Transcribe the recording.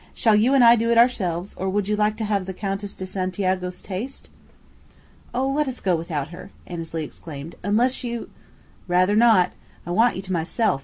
Shall you and I do it ourselves, or would you like to have the Countess de Santiago's taste?" "Oh, let us go without her," Annesley exclaimed, "unless you " "Rather not. I want you to myself.